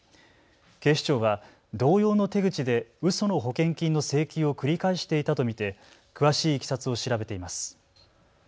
警視庁は同様の手口でうその保険金の請求を繰り返していたと見て詳しいいきさつを調べています。